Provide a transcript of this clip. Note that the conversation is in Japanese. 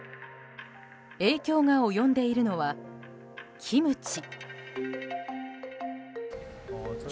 影響が及んでいるのは、キムチ。